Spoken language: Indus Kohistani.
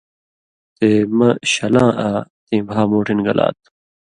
تے مہ شلاں آ تیں بھا مُوٹھِن گلا تُھو